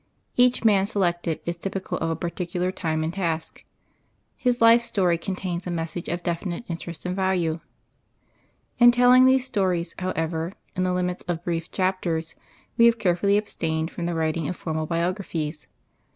Each man selected is typical of a particular time and task. His life story contains a message of definite interest and value. In telling these stories, however, in the limits of brief chapters, we have carefully abstained from the writing of formal biographies.